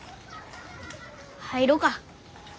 入ろうか。